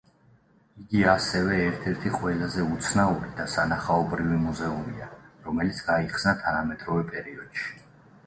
იგი ასევე ერთ-ერთი ყველაზე უცნაური და სანახაობრივი მუზეუმია, რომელიც გაიხსნა თანამედროვე პერიოდში.